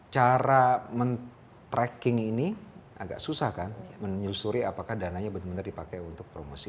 cara men tracking ini agak susah kan menyusuri apakah dananya benar benar dipakai untuk promosi